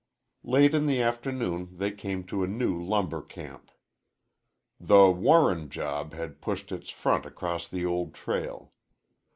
Late in the afternoon they came to a new lumber camp. "The Warren job" had pushed its front across the old trail.